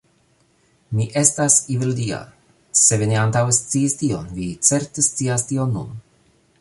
Mi estas Evildea. Se vi ne antaŭe sciis tion, vi certe scias tion nun.